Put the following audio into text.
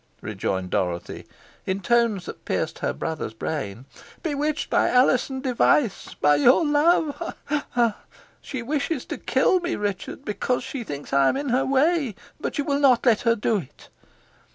rejoined Dorothy, in tones that pierced her brother's brain "bewitched by Alizon Device by your love ha! ha! She wishes to kill me, Richard, because she thinks I am in her way. But you will not let her do it."